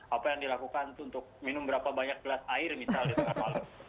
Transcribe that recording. apa yang dilakukan untuk minum berapa banyak gelas air misalnya di tengah malam